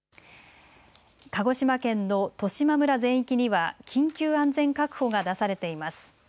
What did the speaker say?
鹿児島県の十島村全域には緊急安全確保が出されています。